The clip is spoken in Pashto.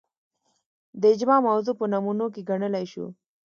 د اجماع موضوع په نمونو کې ګڼلای شو